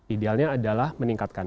idealnya adalah meningkatkan